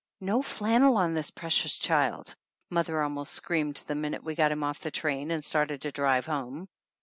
"No flannel on this precious child!" mother almost screamed the minute we got him off the train and started to drive home.